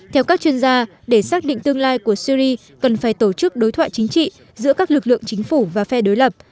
theo các chuyên gia để xác định tương lai của syri cần phải tổ chức đối thoại chính trị giữa các lực lượng chính phủ và phe đối lập